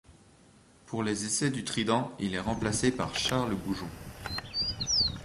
Pour les essais du Trident, il est remplacé par Charles Goujon.